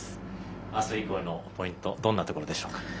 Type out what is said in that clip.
あす以降のポイントどんなところでしょうか。